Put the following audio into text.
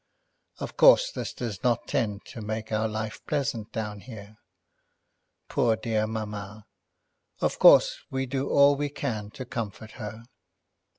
Of course this does not tend to make our life pleasant down here. Poor dear mamma! Of course we do all we can to comfort her.